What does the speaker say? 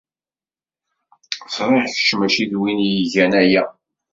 Ẓriɣ kečč mačči d win i igan aya.